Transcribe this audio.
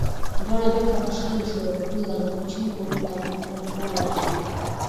دواړه بېرته خوشحاله شوو او د هوټل دغه کوچنۍ کوټه مو خپل کور وګاڼه.